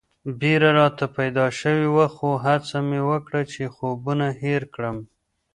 بېره راته پیدا شوې وه خو هڅه مې وکړه چې خوبونه هېر کړم.